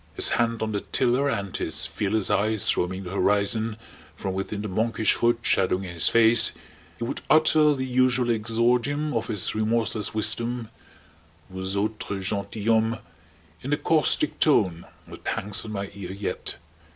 His hand on the tiller and his fearless eyes roaming the horizon from within the monkish hood shadowing his face, he would utter the usual exordium of his remorseless wisdom: "Vous autres gentilhommes!" in a caustic tone that hangs on my ear yet.